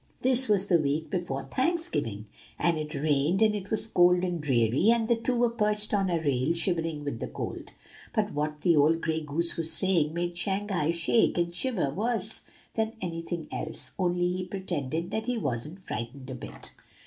This was the week before Thanksgiving; and it rained, and it was cold and dreary, and the two were perched on a rail, shivering with the cold. But what the old gray goose was saying made Shanghai shake and shiver worse than anything else, only he pretended that he wasn't frightened a bit.